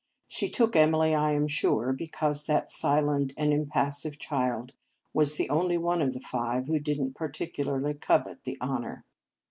She took Emily, I am sure, because that silent and impassive child was the only one of the five who did n t particularly covet the honour.